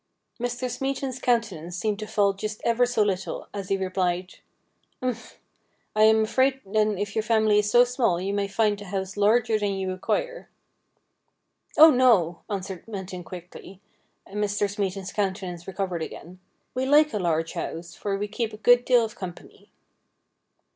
Mr. Smeaton's countenance seemed to fall just ever so little, as he replied :' Umph ! I am afraid then if your family is so small you may find the house larger than you require.' 'Oh, no,' answered Minton quickly, and Mr. Smeaton's countenance recovered again ;' we like a large house, for we keep a good deal of company.'